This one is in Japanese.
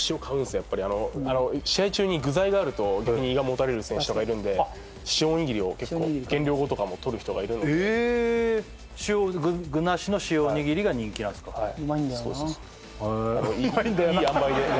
やっぱり試合中に具材があると胃がもたれる選手とかいるんで塩おにぎりを結構減量後とかもとる人がいるのでえっ具なしの塩おにぎりが人気なんですかうまいんだよな